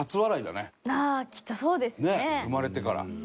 生まれてから。